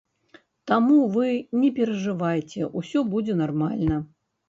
Таму вы не перажывайце, усё будзе нармальна.